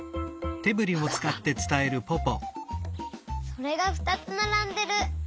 それがふたつならんでる。